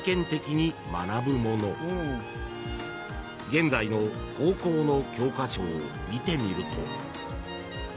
［現在の高校の教科書を見てみると］